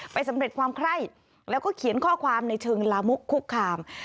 สำเร็จความไคร้แล้วก็เขียนข้อความในเชิงลามุกคุกคาม